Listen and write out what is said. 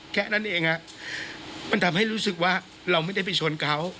แค่นั้นเองมันทำให้รู้สึกว่าเราไม่ได้ไปชนเขา